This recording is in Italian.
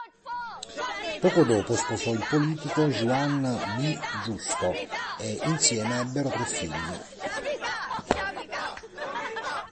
Poco dopo, sposò il politico Juan B. Justo e insieme ebbero tre figli.